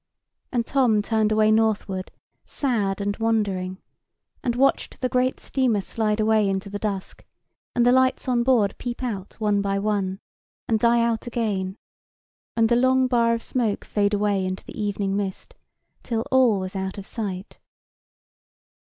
And Tom turned away northward, sad and wondering; and watched the great steamer slide away into the dusk, and the lights on board peep out one by one, and die out again, and the long bar of smoke fade away into the evening mist, till all was out of sight.